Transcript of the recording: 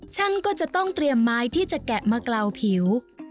ช่างก็จะต้องเตรียมไม้ที่จะแกะมาเกลาผิว